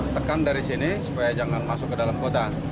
tekan dari sini supaya jangan masuk ke dalam kota